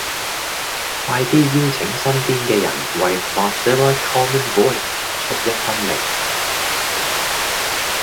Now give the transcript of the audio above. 快啲邀請身邊嘅人為 Mozilla common voice 出一分力